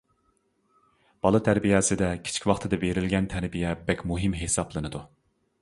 بالا تەربىيەسىدە كىچىك ۋاقتىدا بېرىلگەن تەربىيە بەك مۇھىم ھېسابلىنىدۇ.